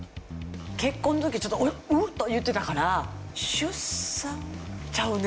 結婚の時ちょっと「ん？」と言ってたから出産？ちゃうね。